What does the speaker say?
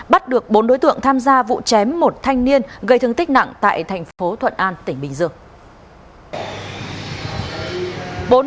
bắt được bốn đối tượng tham gia vụ chém một thanh niên gây thương tích nặng tại thành phố thuận an tỉnh bình dương